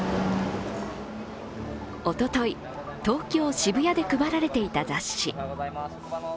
おととい、東京・渋谷で配られていた雑誌。